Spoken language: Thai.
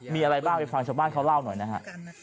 มีอะไรบ้างไปฟังชาวบ้านเขาเล่าหน่อยนะฮะ